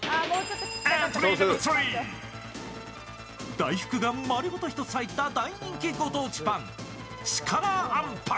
大福が丸ごと１つ入った大人気ご当地パン、力あんぱん。